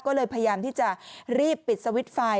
ก็เลยพยายามที่จะรีบปิดสวิตช์ไฟล